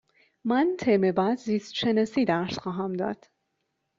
من ترم بعد زیست شناسی درس خواهم داد.